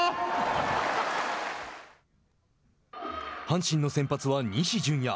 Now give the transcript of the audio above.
阪神の先発は西純矢。